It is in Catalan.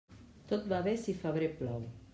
Tot va bé, si febrer plou.